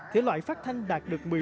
thể loại phát thanh đạt được